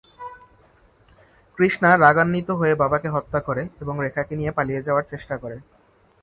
কৃষ্ণা রাগান্বিত হয়ে বাবাকে হত্যা করে এবং রেখাকে নিয়ে পালিয়ে যাওয়ার চেষ্টা করে।